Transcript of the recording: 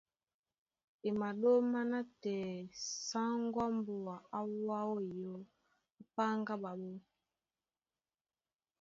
E maɗóma nátɛɛ sáŋgó á mbóa á wá ó iyɔ́, á páŋgá ɓaɓɔ́.